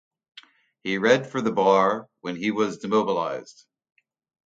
He read for the bar when he was demobilised.